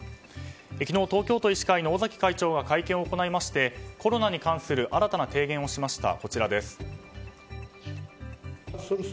昨日、東京都医師会の尾崎会長は会見を行いましてコロナに関する新たな提言をしました。